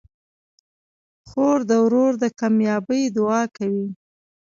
خور د ورور د کامیابۍ دعا کوي.